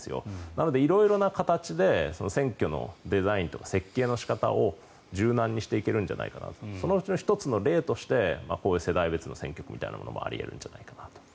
なので、色々な形で選挙のデザインとか設計の仕方を柔軟にしていけるんじゃないかとその１つの例としてこういう世代別の選挙区みたいなものもあり得るんじゃないかなと。